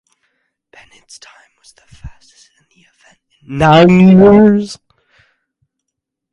Bennett's time was the fastest in the event in nine years.